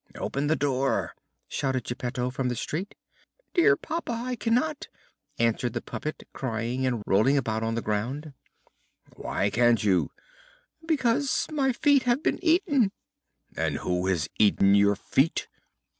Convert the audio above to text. "Open the door!" shouted Geppetto from the street. "Dear papa, I cannot," answered the puppet, crying and rolling about on the ground. "Why can't you?" "Because my feet have been eaten." "And who has eaten your feet?"